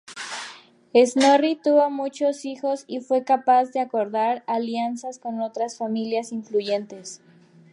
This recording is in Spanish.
Snorri tuvo muchos hijos y fue capaz de acordar alianzas con otras familias influyentes.